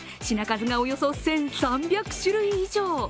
品数がおよそ１３００種類以上。